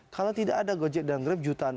kalau tidak ada gojek dan grab jutaan